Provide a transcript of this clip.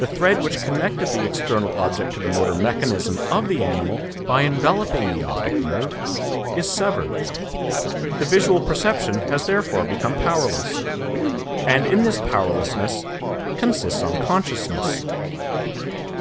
The thread which connected the external object to the motor mechanism of the animal by enveloping the optic nerve, is severed; the visual perception has therefore become powerless, and in this powerlessness consists unconsciousness."